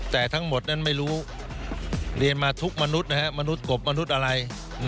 แต่ทั้งหมดนั้นไม่รู้เรียนมาทุกมนุษย์มนุษย์กบมนุษย์อะไร